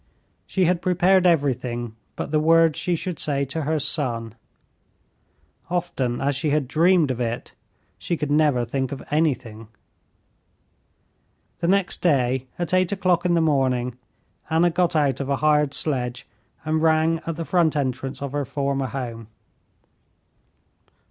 She had prepared everything but the words she should say to her son. Often as she had dreamed of it, she could never think of anything. The next day, at eight o'clock in the morning, Anna got out of a hired sledge and rang at the front entrance of her former home.